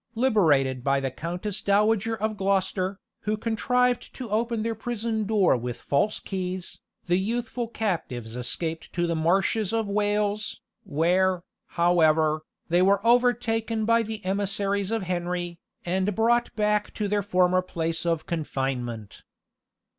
Liberated by the Countess dowager of Gloucester, who contrived to open their prison door with false keys, the youthful captives escaped to the marshes of Wales, where, however, they were overtaken by the emissaries of Henry, and brought back to their former place of confinement.